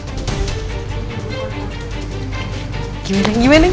maka kekayaan dan kemampuan akan datang